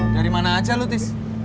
dari mana aja lu tis